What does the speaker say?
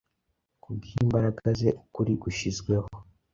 Ku bwimbaraga ze ukuri gushizweho